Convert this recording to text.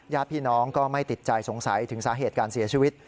ญาติพี่น้องก็ไม่ติดใจสงสัยถึงสาเหตุการเสียชีวิต